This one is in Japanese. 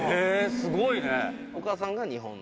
すごいね。